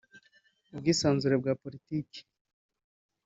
ubwisanzure bwa politiki